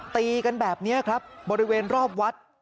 ตีกันแบบนี้ครับบริเวณรอบวัด